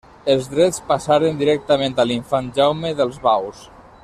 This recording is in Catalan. Els drets passaren directament a l'infant Jaume dels Baus.